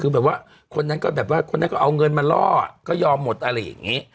คือแบบว่าคนนั้นก็แบบว่าคนนั้นก็เอาเงินมาล่อก็ยอมหมดอะไรอย่างนี้